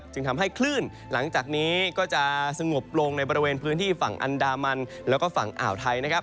จึงทำให้คลื่นหลังจากนี้ก็จะสงบลงในบริเวณพื้นที่ฝั่งอันดามันแล้วก็ฝั่งอ่าวไทยนะครับ